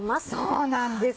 そうなんです。